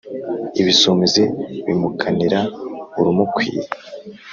Ibisumizi bimukanira urumukwiye.